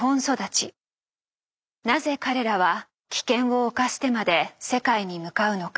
なぜ彼らは危険を冒してまで世界に向かうのか。